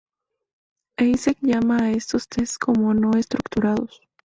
Eysenck llama a estos test como no estructurados.